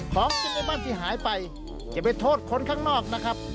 ของกินในบ้านที่หายไปจะไปโทษคนข้างนอกนะครับ